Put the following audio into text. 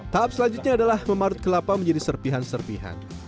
tahap selanjutnya adalah memarut kelapa menjadi serpihan serpihan